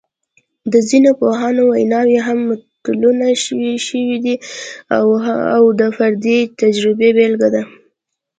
د ځینو پوهانو ویناوې هم متلونه شوي دي او د فردي تجربې بېلګه ده